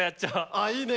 あいいね。